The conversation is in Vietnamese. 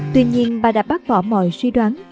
tuy nhiên bà đã bác bỏ mọi suy đoán